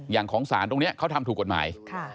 อย่างของศตรงนี้เค้าทำถูกกฎหมาย